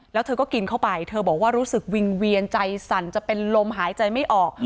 แล้วเธอก็กินเข้าไปเธอบอกว่ารู้สึกวิงเวียนใจสั่นจะเป็นลมหายใจไม่ออก